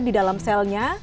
di dalam selnya